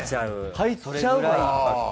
入っちゃうから。